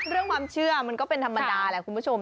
เรื่องความเชื่อมันก็เป็นธรรมดาแหละคุณผู้ชม